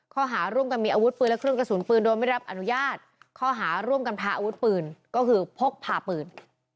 ข้อหาร่วมกันมีอาวุธปืนและเครื่องกระสุนปืนโดยไม่รับอนุญาตข้อหาร่วมกันพาอาวุธปืนก็คือพกพาปืน